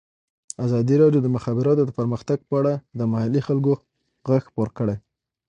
ازادي راډیو د د مخابراتو پرمختګ په اړه د محلي خلکو غږ خپور کړی.